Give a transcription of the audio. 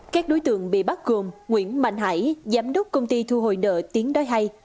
các đối tượng bị bắt gồm nguyễn mạnh hải giám đốc công ty thu hồi nợ tiến đói hay